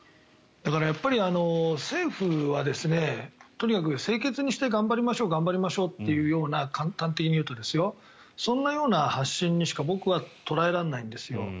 だから、やっぱり政府はとにかく清潔にして頑張りましょう頑張りましょうという簡単に言うと、そんな発信にしか僕は捉えられないんですよ。